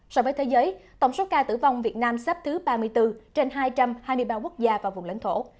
so với thế giới tổng số ca tử vong việt nam sắp thứ ba mươi bốn trên hai trăm hai mươi ba quốc gia và vùng lãnh thổ